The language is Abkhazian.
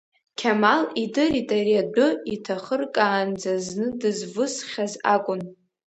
Қьамал идырит ари адәы, иҭахыркаанӡа зны дызвысхьаз акәын.